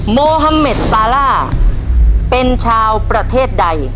โมฮัมเมดซาล่าเป็นชาวประเทศใด